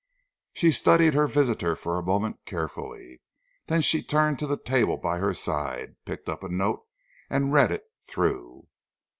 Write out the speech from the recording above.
She studied her visitor for a moment carefully. Then she turned to the table by her side, picked up a note and read it through.